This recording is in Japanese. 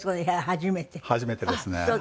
初めてですね。